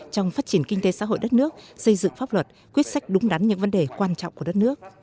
trong phát triển kinh tế xã hội đất nước xây dựng pháp luật quyết sách đúng đắn những vấn đề quan trọng của đất nước